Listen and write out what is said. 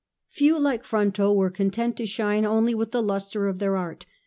Few, like Fronto, were content to shine only with the lustre of their art.